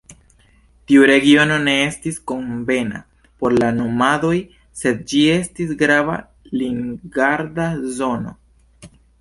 Tiu regiono ne estis konvena por la nomadoj, sed ĝi estis grava limgarda zono.